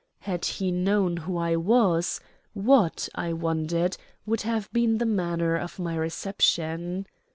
Had he known who I was, what, I wondered, would have been the manner of my reception?